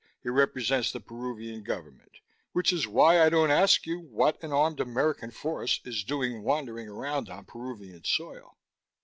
"He represents the Peruvian government, which is why I don't ask you what an armed American force is doing wandering around on Peruvian soil."